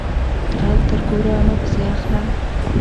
غل تر کوره مه پسی اخله